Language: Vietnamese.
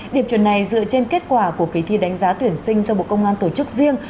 điểm chuẩn này dựa trên kết quả của kỳ thi đánh giá tuyển sinh do bộ công an tổ chức riêng